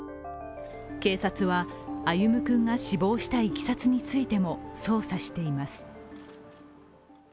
警察は歩夢君が死亡したいきさつについても捜査しています。